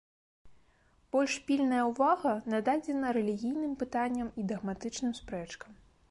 Больш пільная ўвага нададзена рэлігійным пытанням і дагматычным спрэчкам.